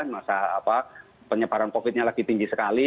masa apa penyebaran covidnya lagi tinggi sekali